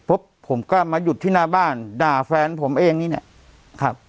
ผมก็มาหยุดที่หน้าบ้านด่าแฟนผมเองนี่แหละครับ